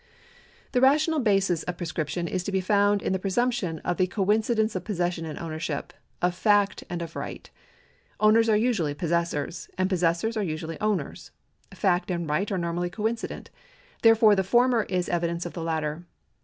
The rational basis of prescription is to be found in the presumption of the coincidence of possession and ownership, of fact and of right. Owners are usually possessors, and possessors are usually owners. Fact and right arc normally coincident ; therefore the former is evidence of the latter.